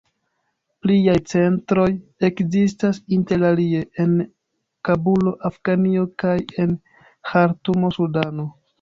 Pliaj centroj ekzistas inter alie en Kabulo, Afganio kaj en Ĥartumo, Sudano.